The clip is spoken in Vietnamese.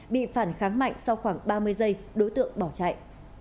bị phản kháng mạnh sau khoảng ba mươi giây đối tượng bỏ chạy